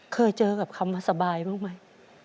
เคยเจอกับคำว่าสบายบ้างไหม